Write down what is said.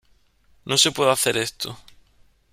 No se puede hacer esto.